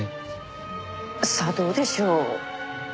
さあどうでしょう？